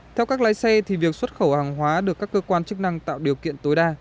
theo các lái xe thì việc xuất khẩu hàng hóa được các cơ quan chức năng tạo điều kiện tối đa